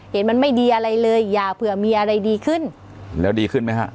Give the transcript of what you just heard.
เห็นมันไม่ดีอะไรเลยอย่าเผื่อมีอะไรดีขึ้นแล้วดีขึ้นไหมฮะ